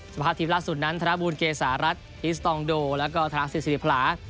สภาพทีมล่าสุดนั้นธนบูลเกษารัฐอิสตองโดแล้วก็ธนาศิษริพลา